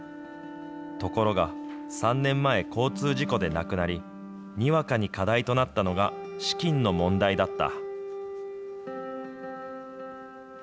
ところが３年前、交通事故で亡くなり、にわかに課題となったのが資金の問題だった。